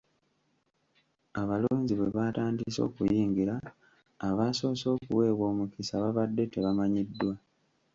Abalonzi bwe batandise okuyingira, abasoose okuweebwa omukisa babadde tebamanyiddwa.